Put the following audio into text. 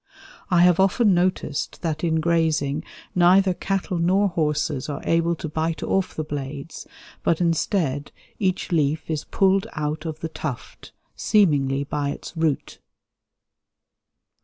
I have often noticed that in grazing neither cattle nor horses are able to bite off the blades, but instead each leaf is pulled out of the tuft, seemingly by its root.